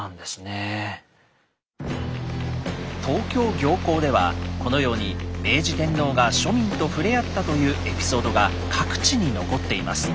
東京行幸ではこのように明治天皇が庶民と触れ合ったというエピソードが各地に残っています。